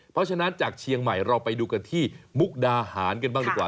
เพราะฉะนั้นจากเชียงใหม่เราไปดูกันที่มุกดาหารกันบ้างดีกว่า